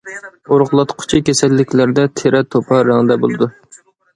ئورۇقلاتقۇچى كېسەللىكلەردە تېرە توپا رەڭدە بولىدۇ.